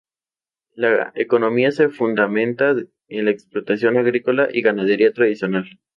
La economía se fundamenta en la explotación agrícola y ganadera tradicional.